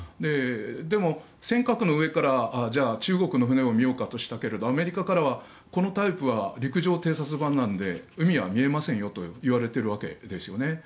でも、尖閣の上からじゃあ、中国の船を見ようとしたけれどアメリカからは、このタイプは陸上偵察版なので海は見えませんよといわれているわけですね。